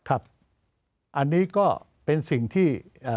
อันนี้ก็เป็นสิ่งที่